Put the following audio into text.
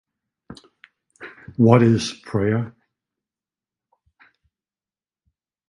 What is prayer?